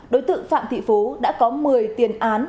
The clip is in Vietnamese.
đối tượng phạm thị phú đã có một mươi tiền án